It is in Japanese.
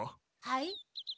はい？